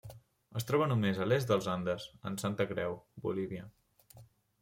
Es troba només a l'est dels Andes, en Santa Creu, Bolívia.